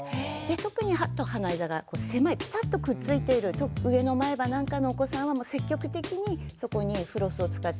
特に歯と歯の間が狭いピタッとくっついている上の前歯なんかのお子さんは積極的にそこにフロスを使って頂いて。